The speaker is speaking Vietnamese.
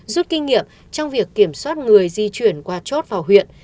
rút kinh nghiệm trong việc kiểm soát người di chuyển qua chốt vào huyện